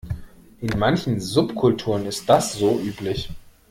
In manchen Subkulturen ist das so üblich.